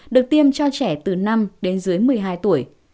được tiêm cho trẻ từ năm một mươi hai tuổi